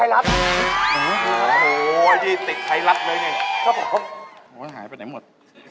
ครับผมามันหายไปไหนหมด